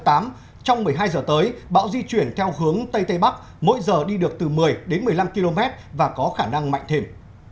trong một mươi hai h tới bão di chuyển theo hướng tây tây bắc mỗi giờ đi được từ một mươi đến một mươi năm km và có khả năng mạnh thêm